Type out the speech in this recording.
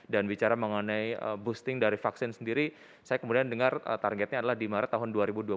dan bicara mengenai boosting dari vaksin sendiri saya kemudian dengar targetnya adalah di maret tahun dua ribu dua puluh dua